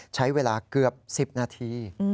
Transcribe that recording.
ใช้เวลาเกือบ๑๐นาที